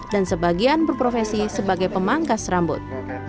dan sebagian berprofesi sebagai pemangkas rambut